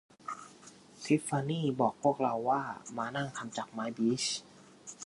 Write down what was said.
ทิฟฟานี่บอกพวกเราว่าม้านั่งทำจากไม้บีช